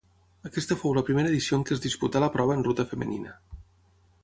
Aquesta fou la primera edició en què es disputà la prova en ruta femenina.